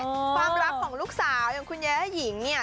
ความรักของลูกสาวอย่างคุณแย้หญิงเนี่ย